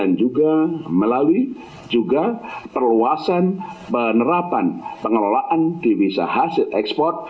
dan juga melalui juga perluasan penerapan pengelolaan divisa hasil ekspor